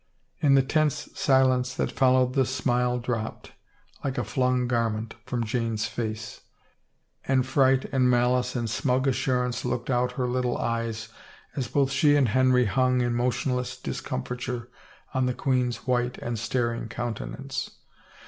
In the tense silence that followed the smile dropped, like a flung garment, from Jane's face, and fright and malice and smug assurance looked out her little eyes as both she and Henry hung, in motionless discomfiture, on the queen's white and staring countenance.